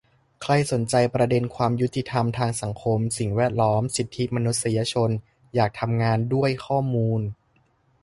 ใครสนใจประเด็นความยุติธรรมทางสังคม สิ่งแวดล้อม สิทธิมนุษยชน อยากทำงานด้วยข้อมูล